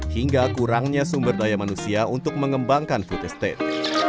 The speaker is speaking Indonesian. hingga kurangnya sumber daya manusia untuk mengembangkan food estate